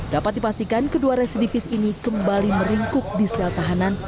dapat dipastikan kedua residivis ini kembali meringkuk di sel tahanan